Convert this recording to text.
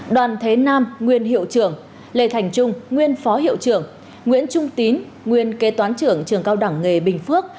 đoàn thế nam nguyên hiệu trưởng lê thành trung nguyên phó hiệu trưởng nguyễn trung tín nguyên kế toán trưởng cao đẳng nghề bình phước